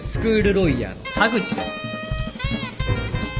ロイヤーの田口です。